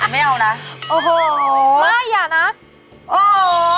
ไม่เอานะไม่อย่านะโอ้โห